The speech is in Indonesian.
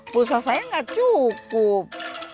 pulsa saya gak cukup